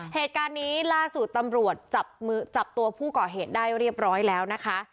เหตุการณ์นี้ล่าสุดตำรวจจับตัวผู้ก่อเหตุได้เรียบร้อยแล้วนะคะ